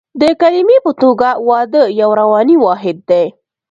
د کلمې په توګه واده یو رواني واحد دی